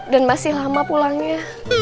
dan masih lama pulangnya